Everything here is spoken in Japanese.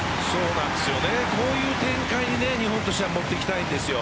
こういう展開に日本としては持っていきたいです。